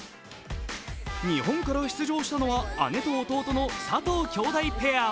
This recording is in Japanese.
日本から出場したのは姉と弟の佐藤きょうだいペア。